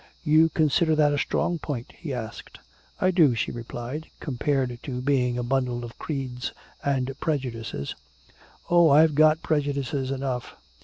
"You consider that a strong point?" he asked. "I do," she replied, "compared to being a bundle of creeds and prejudices." "Oh, I've got prejudices enough."